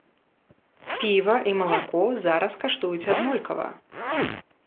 Піва і малако зараз каштуюць аднолькава.